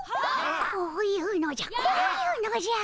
こういうのじゃこういうのじゃ。